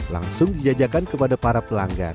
langsung dijajakan kepada para pelanggan